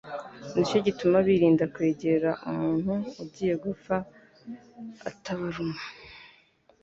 Nicyo gituma birinda kwegera umuntu ugiye gupfa ngo atabaruma